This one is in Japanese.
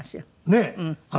ねえ。